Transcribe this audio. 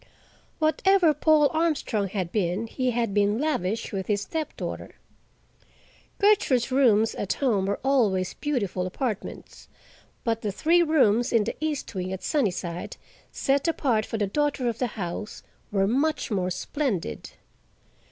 Whatever Paul Armstrong had been, he had been lavish with his stepdaughter. Gertrude's rooms at home were always beautiful apartments, but the three rooms in the east wing at Sunnyside, set apart for the daughter of the house, were much more splendid.